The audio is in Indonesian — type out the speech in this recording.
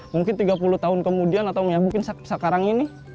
mungkin tiga puluh tahun kemudian atau mungkin sekarang ini